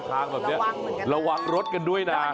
ปากเตือนดีกว่าน้องไมโต้คุณฐี่สา